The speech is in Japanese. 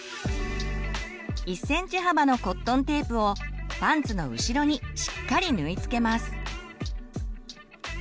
１ｃｍ幅のコットンテープをパンツの後ろにしっかり縫い付けます。